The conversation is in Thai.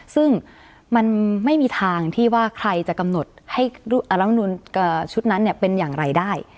ซึ่งมันไม่มีทางที่ว่าใครจะกำหนดให้รัฐมนุนชุดนั้นเป็นอย่างไรได้